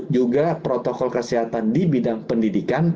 juga protokol kesehatan di bidang pendidikan